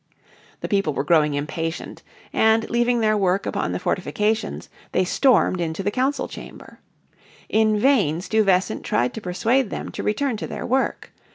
The people were growing impatient, and leaving their work upon the fortifications they stormed into the Council Chamber. In vain Stuyvesant tried to persuade them to return to their work.